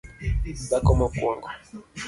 dhako mokuongo